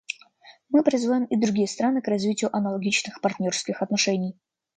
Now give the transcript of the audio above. Мы призываем и другие страны к развитию аналогичных партнерских отношений.